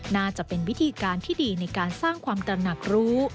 น่าจะเป็นวิธีการที่ดีในการสร้างความตระหนักรู้